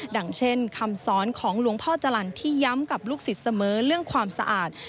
อย่างเช่นคำสอนของหลวงพ่อจรรย์ที่ย้ำกับลูกศิษย์เสมอเรื่องความสะอาด